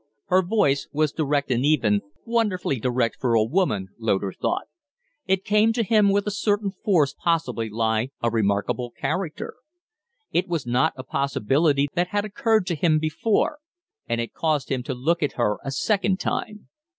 Her voice was direct and even wonderfully direct for a woman, Loder thought. It came to him with a certain force that beneath her remarkable charm might possibly lie a remarkable character. It was not a possibility that had occurred to him before, and it caused him to look at her a second time.